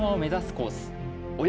コース